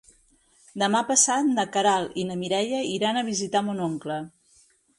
Demà passat na Queralt i na Mireia iran a visitar mon oncle.